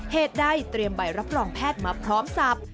เหตุใดเตรียมใบรับรองแพทย์มาพร้อมศัพท์